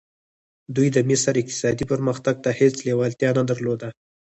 دوی د مصر اقتصادي پرمختګ ته هېڅ لېوالتیا نه درلوده.